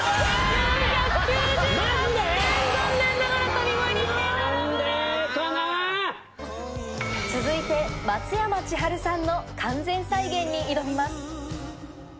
４９８点、残念ながら神声認続いて松山千春さんの完全再現に挑みます。